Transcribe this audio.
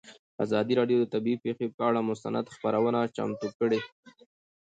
ازادي راډیو د طبیعي پېښې پر اړه مستند خپرونه چمتو کړې.